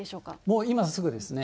もう今すぐですね。